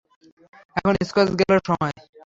এখন স্কচ গেলার সময়।